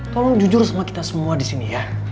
tolong jujur sama kita semua di sini ya